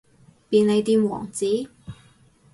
便利店王子